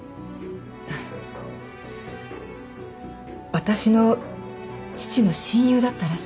私の父の親友だったらしくて。